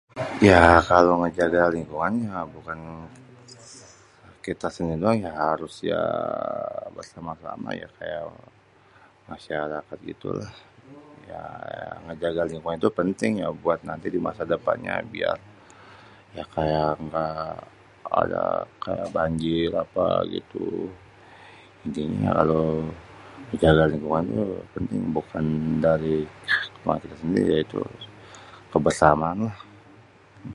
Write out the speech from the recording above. Ya kalo ngeja lingkungan mah bukan kita sendiri doang ya harus ya bersama-sama ya kayak masyarakat gitu lah ya ngejaga lingkungan itu penting ya buat nanti di masa depannya biar ya kayak gak ada banjir apa gitu. Intinya kalo ngejaga lingkungan tuh penting. Bukan dari kita sendiri tapi kebersamaanlah.